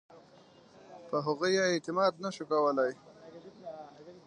په هغوی یې اعتماد نه شو کولای.